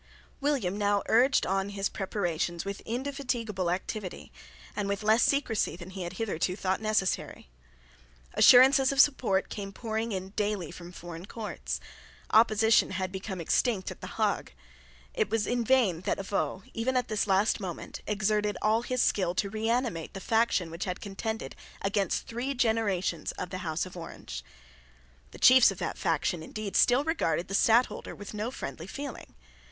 William now urged on his preparations with indefatigable activity and with less secrecy than he had hitherto thought necessary. Assurances of support came pouring in daily from foreign courts. Opposition had become extinct at the Hague. It was in vain that Avaux, even at this last moment, exerted all his skill to reanimate the faction which had contended against three generations of the House of Orange. The chiefs of that faction, indeed, still regarded the Stadtholder with no friendly feeling.